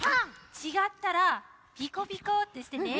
ちがったら「ピコピコ」ってしてね。